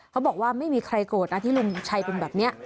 เขาบอกว่าไม่มีใครโกรธนะที่ลุงชัยเป็นแบบนี้